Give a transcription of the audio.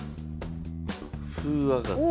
歩上がって。